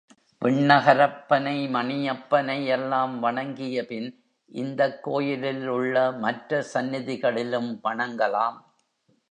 விண்ணகரப்பனை, மணியப்பனை எல்லாம் வணங்கியபின் இந்தக் கோயிலில் உள்ள மற்ற சந்நிதிகளிலும் வணங்கலாம்.